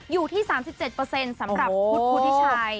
อยู่ที่สามสิบเจ็ดเปอร์เซ็นต์สำหรับคุณผู้ที่ชาย